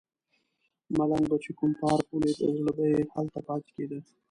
ملنګ به چې کوم پارک ولیده زړه به یې هلته پاتې کیده.